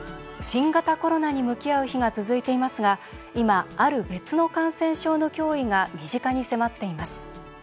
新型コロナに向き合う日が続いていますが今、ある別の感染症の脅威が身近に迫っています。